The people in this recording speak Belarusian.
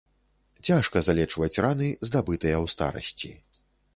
Цяжка залечваць раны, здабытыя ў старасці.